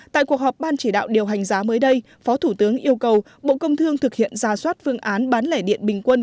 tại cuộc họp ban chỉ đạo điều hành giá mới đây phó thủ tướng yêu cầu bộ công thương thực hiện ra soát phương án bán lẻ điện bình quân